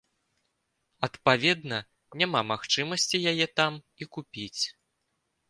Адпаведна, няма магчымасці яе там і купіць.